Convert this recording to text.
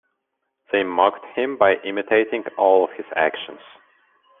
They mocked him by imitating all of his actions.